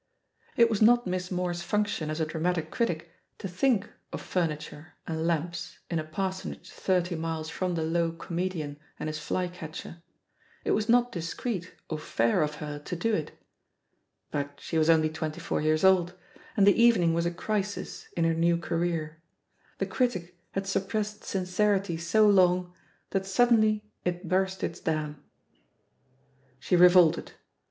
It was not Miss Moore's function as a dramatic critic to think of furniture and lamps 164 THE POSITION OF PEGGY HARPEB in a parsonage thirty miles from the low eom6* dian and his fly catcher; it was not discreet pij fair of her to do it ; but she was only twenty four years old, and the evening was a crisis in her new; career — ^the "critic" had suppressed sincerity so long that suddenly it burst its dam. She revolted.